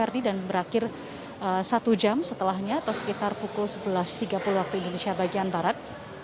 dan berakhir satu jam setelahnya atau sekitar pukul sebelas tiga puluh waktu indonesia bagian barat